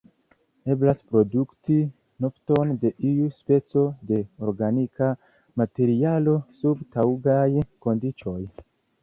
Eblas produkti nafton de iu speco de organika materialo sub taŭgaj kondiĉoj.